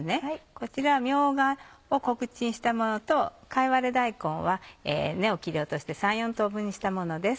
こちらはみょうがを小口にしたものと貝割れ大根は根を切り落として３４等分にしたものです。